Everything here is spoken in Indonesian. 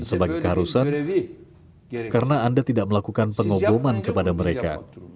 dan sebagai keharusan karena anda tidak melakukan pengoboman kepada mereka